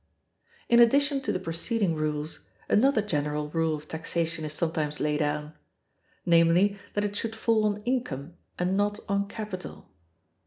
In addition to the preceding rules, another general rule of taxation is sometimes laid down—namely, that it should fall on income and not on capital.